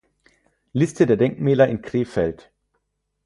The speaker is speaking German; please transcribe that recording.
Liste der Denkmäler in Krefeld